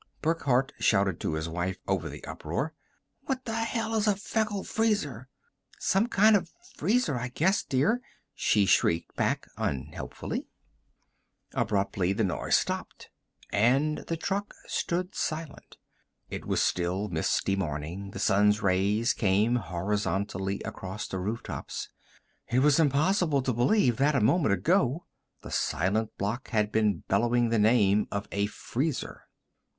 Burckhardt shouted to his wife, over the uproar, "What the hell is a Feckle Freezer?" "Some kind of a freezer, I guess, dear," she shrieked back unhelpfully. Abruptly the noise stopped and the truck stood silent. It was still misty morning; the Sun's rays came horizontally across the rooftops. It was impossible to believe that, a moment ago, the silent block had been bellowing the name of a freezer.